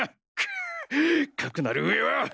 くっかくなる上は！